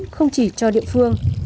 không chỉ cho địa phương